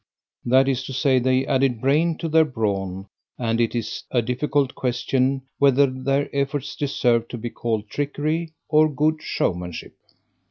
That is to say, they added brain to their brawn, and it is a difficult question whether their efforts deserve to be called trickery or good showmanship.